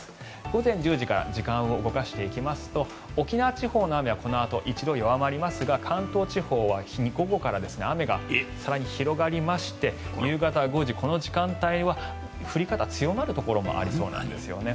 午前１０時から時間を動かしていきますと沖縄地方の雨はこのあと一度弱まりますが関東地方は午後から雨が更に広がりまして夕方５時、この時間帯は降り方が強まるところもありそうなんですよね。